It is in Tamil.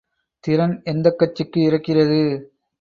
திறன் எந்தக்கட்சிக்கு இருக்கிறது?